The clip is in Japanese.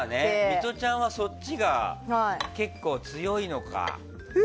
ミトちゃんはそっちが結構強いのか。